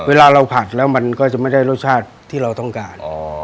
เวลาเราผัดแล้วมันก็จะไม่ได้รสชาติที่เราต้องการ